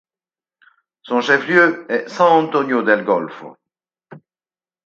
Son chef-lieu est San Antonio del Golfo.